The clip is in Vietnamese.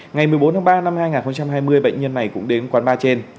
ngày một mươi bốn tháng ba năm hai nghìn hai mươi bệnh nhân này cũng đến quán ba búi đà